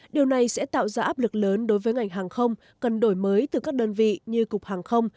điều này sẽ tạo ra áp lực lớn đối với ngành hàng không cần đổi mới từ các đơn vị như cục hàng không